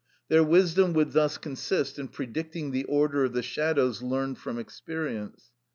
Their wisdom would thus consist in predicting the order of the shadows learned from experience.